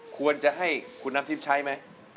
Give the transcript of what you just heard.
ควรจะให้คุณน้ำทิพย์ใช้ไหม